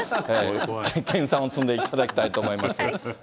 研鑽を積んでいただきたいと思います。